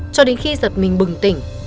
cho đến khi giật mình bừng tỉnh